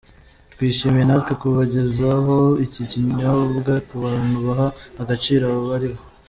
Twishimiye natwe kubagezaho iki kinyobwa ku bantu baha agaciro abo baribo.